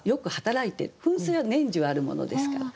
噴水は年中あるものですから。